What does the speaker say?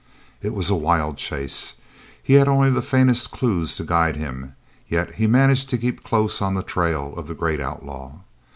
It was a wild chase. He had only the faintest clues to guide him, yet he managed to keep close on the trail of the great outlaw.